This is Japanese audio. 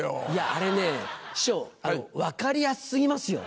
あれね師匠分かりやす過ぎますよ。